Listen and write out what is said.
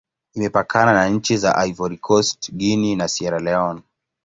Imepakana na nchi za Ivory Coast, Guinea, na Sierra Leone.